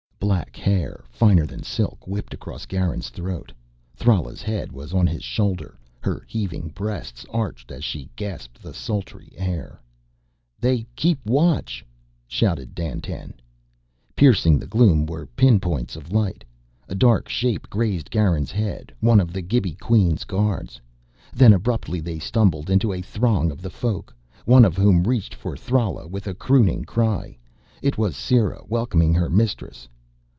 Black hair, finer than silk, whipped across Garin's throat. Thrala's head was on his shoulder, her heaving breasts arched as she gasped the sultry air. "They keep watch...!" shouted Dandtan. Piercing the gloom were pin points of light. A dark shape grazed Garin's head one of the Gibi Queen's guards. Then abruptly they stumbled into a throng of the Folk, one of whom reached for Thrala with a crooning cry. It was Sera welcoming her mistress.